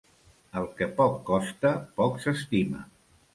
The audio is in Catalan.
El que poc costa, poc s'estima.